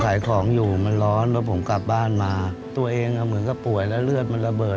ขายของอยู่มันร้อนแล้วผมกลับบ้านมาตัวเองอ่ะเหมือนกับป่วยแล้วเลือดมันระเบิด